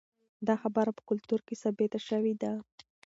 دا خبره په کلتور کې ثابته شوې ده.